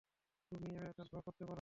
তুমি এটা করতে পারো।